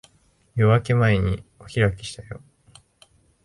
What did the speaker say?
夜明け前にお開きにしたよ。